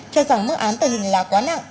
cho rằng mức án tử hình là quá nặng